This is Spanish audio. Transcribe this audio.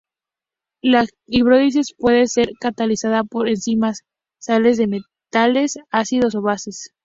La hidrólisis puede ser catalizada por enzimas, sales de metales, ácidos o bases.